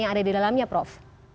yang ada di dalamnya prof